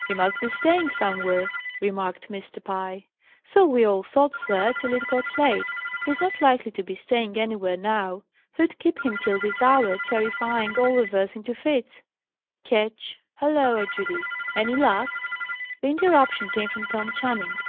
"He must be staying somewhere," remarked Mr. Pye. "So we all thought, sir, till it got late. He's not likely to be staying anywhere now. Who'd keep him till this hour, terrifying of us all into fits? Ketch " "Holloa, Judy! Any luck?" The interruption came from Tom Channing.